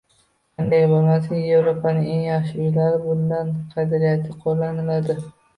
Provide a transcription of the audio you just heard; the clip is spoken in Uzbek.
Qanday bo'lmasin, "Evropaning eng yaxshi uylarida" bunday qadriyatlar qo'llaniladi